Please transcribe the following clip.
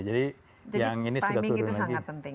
jadi timing itu sangat penting